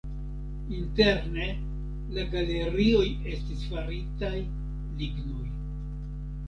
Interne la galerioj estis faritaj lignoj.